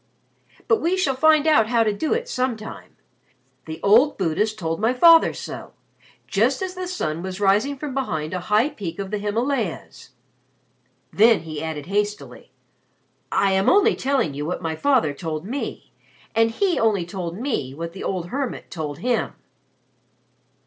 But we shall find out how to do it sometime. The old Buddhist told my father so just as the sun was rising from behind a high peak of the Himalayas." Then he added hastily, "I am only telling you what my father told me, and he only told me what the old hermit told him."